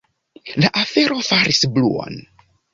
La afero faris bruon.